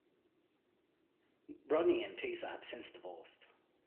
Rodney and Tisa have since divorced.